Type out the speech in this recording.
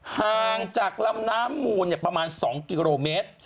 ห่างจากลำน้ำมูลประมาณ๒กิโลเมตร